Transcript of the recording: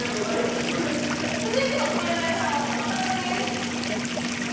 続いての、もやもやさんはこの方です。